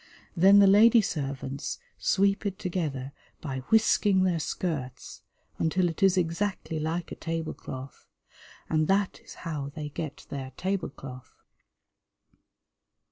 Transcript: Then the lady servants sweep it together by whisking their skirts until it is exactly like a table cloth, and that is how they get their table cloth.